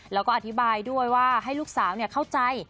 แล้วก็อธิบายด้วยว่าให้ลูกสาวเข้าใจ